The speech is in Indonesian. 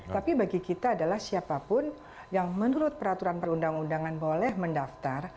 tapi bagi kita adalah siapapun yang menurut peraturan perundang undangan boleh mendaftar